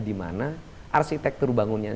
dimana arsitektur bangunannya